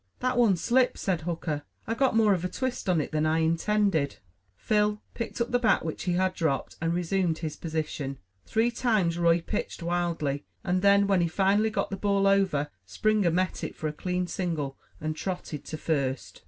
"That one slipped," said Hooker. "I got more of a twist on it than I intended." Phil picked up the bat, which he had dropped, and resumed his position. Three times Roy pitched wildly, and then when he finally got the ball over, Springer met it for a clean single, and trotted to first.